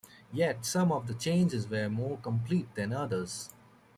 Yet, some of the changes were more complete than others.